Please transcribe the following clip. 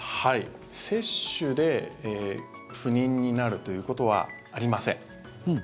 接種で不妊になるということはありません。